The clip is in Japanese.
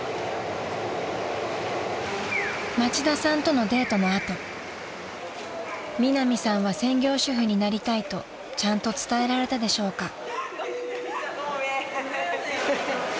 ［町田さんとのデートの後ミナミさんは専業主婦になりたいとちゃんと伝えられたでしょうか］